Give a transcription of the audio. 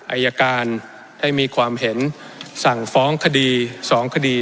อายการได้มีความเห็นสั่งฟ้องคดี๒คดี